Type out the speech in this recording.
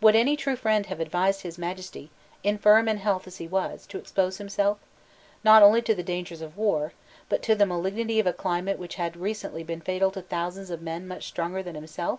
Would any true friend have advised His Majesty, infirm in health as he was, to expose himself, not only to the dangers of war, but to the malignity of a climate which had recently been fatal to thousands of men much stronger than himself?